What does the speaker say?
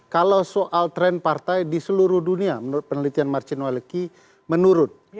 kalau soal tren partai di seluruh dunia menurut penelitian marcin waleki menurun